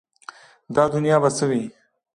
دا دنیا به څه وي ؟